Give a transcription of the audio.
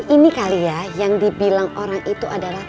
ini kali ya yang dibilang orang itu adalah